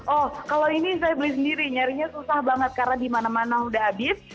oh kalau ini saya beli sendiri nyarinya susah banget karena dimana mana udah habis